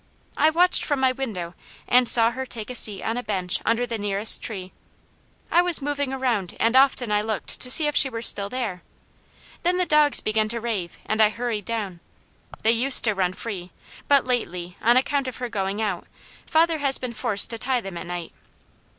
I watched from my window and saw her take a seat on a bench under the nearest tree. I was moving around and often I looked to see if she were still there. Then the dogs began to rave, and I hurried down. They used to run free, but lately, on account of her going out, father has been forced to tie them at night.